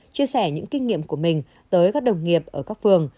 chia sẻ những kinh nghiệm của mình tới các đồng nghiệp ở các phường